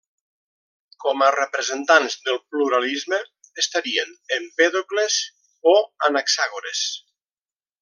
Com a representants del pluralisme, estarien Empèdocles o Anaxàgores.